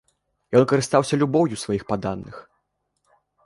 Ён карыстаўся любоўю сваіх падданых.